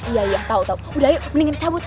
iya iya tau tau udah ayo mendingan cabut